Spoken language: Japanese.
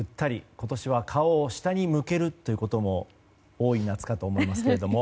今年は顔を下に向けるということも多い夏かと思いますけども。